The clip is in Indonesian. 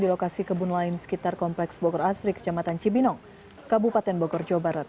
di lokasi kebun lain sekitar kompleks bogor asri kecamatan cibinong kabupaten bogor jawa barat